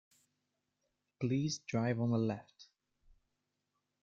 Please drive on the left.